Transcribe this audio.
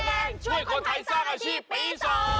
แดงช่วยคนไทยสร้างอาชีพปี๒